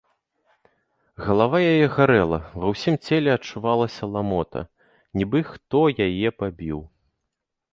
Галава яе гарэла, ва ўсім целе адчувалася ламота, нібы хто яе пабіў.